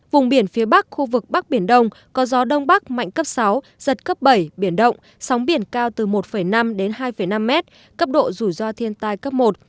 vùng biển phía bắc khu vực bắc biển đông có gió đông bắc mạnh cấp sáu giật cấp bảy biển động sóng biển cao từ một năm đến hai năm m cấp độ rủi ro thiên tai cấp một